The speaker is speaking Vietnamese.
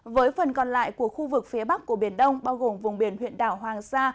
với phần còn lại của khu vực phía bắc của biển đông bao gồm vùng biển huyện đảo hoàng sa